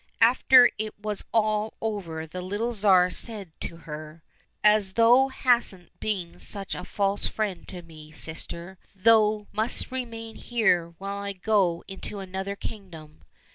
After it was all over the little Tsar said to her, " As thou hast been such a false friend to me, sister, thou must remain here while I go into another king dom."